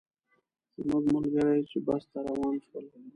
زموږ ملګري چې بس ته روان شول.